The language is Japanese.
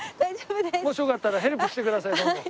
もしよかったらヘルプしてくださいどんどん。